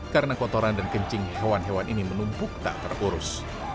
karena kotoran dan kencing hewan hewan ini menumpuk tak terurus